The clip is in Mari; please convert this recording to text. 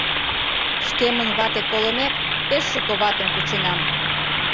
Шкемын вате колымек, пеш шуко ватым кученам...